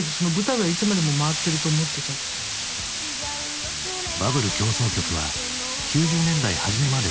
だけどバブル狂騒曲は９０年代初めまで続いた。